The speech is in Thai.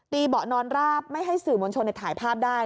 เบาะนอนราบไม่ให้สื่อมวลชนถ่ายภาพได้